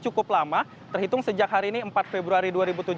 cukup lama terhitung sejak hari ini empat februari dua ribu tujuh belas